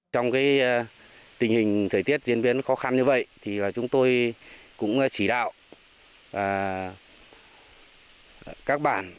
trong tình hình thời tiết diễn biến khó khăn như vậy thì chúng tôi cũng chỉ đạo các bản